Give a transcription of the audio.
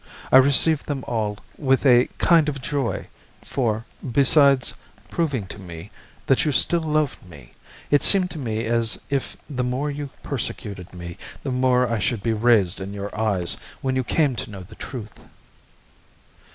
I received them all with a kind of joy, for, besides proving to me that you still loved me, it seemed to me as if the more you persecuted me the more I should be raised in your eyes when you came to know the truth.